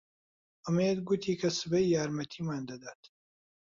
ئومێد گوتی کە سبەی یارمەتیمان دەدات.